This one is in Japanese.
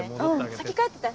先帰ってて！